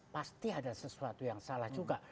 pasti ada sesuatu yang salah juga